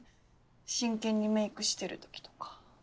真剣にメイクしてる時とか。